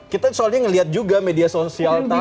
kita soalnya ngelihat juga media sosial tadi